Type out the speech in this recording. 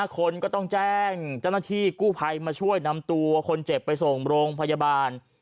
คนก็ต้องแจ้งทจตรภัยมาช่วยนำตัวคนเจ็บไปส่งโรงพยาบาล